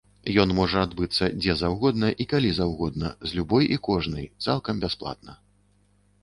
Ён можа адбыцца дзе заўгодна і калі заўгодна, з любой і кожнай, цалкам бясплатна.